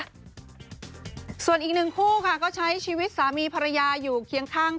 ส่วนอีกหนึ่งคู่ค่ะก็ใช้ชีวิตสามีภรรยาอยู่เคียงข้าง